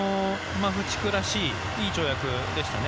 マフチフらしいいい跳躍でしたね。